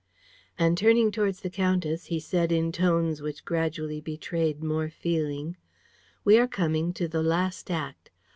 And, turning towards the countess, he said, in tones which gradually betrayed more feeling: "We are coming to the last act.